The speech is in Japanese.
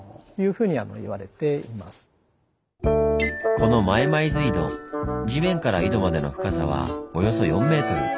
このまいまいず井戸地面から井戸までの深さはおよそ４ｍ。